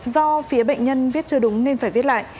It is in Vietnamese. do phía bệnh nhân viết chưa đúng nên phải viết lại